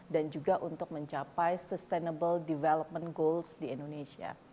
dan juga untuk mencapai sustainable development goals di indonesia